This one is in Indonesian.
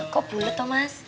kok bulet toh mas